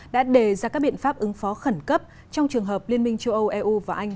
đã đề ra các biện pháp ứng phó khẩn cấp trong trường hợp liên minh châu âu eu và anh